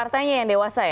partainya yang dewasa ya